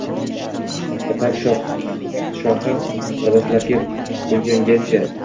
Ipak-shohi liboslarga burkangancha